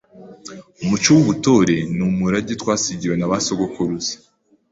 Umuco w’Ubutore niumurage twasigiwe na ba sogokuruza